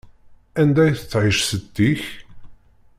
Anda i tettɛic setti-k?